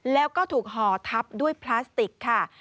แล้วก็ถูกห่อทับด้วยพลาสติกค่ะ